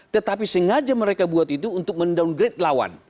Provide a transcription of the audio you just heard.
tetapi sengaja mereka buat itu untuk men downgrade lawan